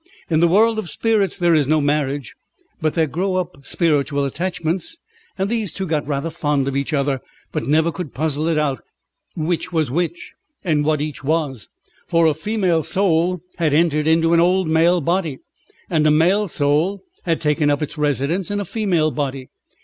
In the world of spirits there is no marriage, but there grow up spiritual attachments, and these two got rather fond of each other, but never could puzzle it out which was which and what each was; for a female soul had entered into an old male body, and a male soul had taken up its residence in a female body.